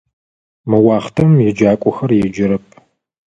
Мы уахътэм еджакӏохэр еджэрэп.